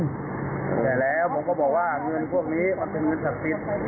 แต่แล้วผมก็บอกว่าเงินพวกนี้มันเป็นเงินศักดิ์